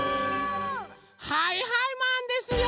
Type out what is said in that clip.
はいはいマンですよ。